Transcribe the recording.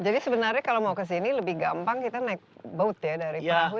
jadi sebenarnya kalau mau ke sini lebih gampang kita naik boat ya dari perahu